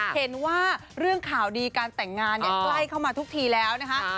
เห็นว่าเรื่องข่าวดีการแต่งงานใกล้เข้ามาทุกทีแล้วนะคะ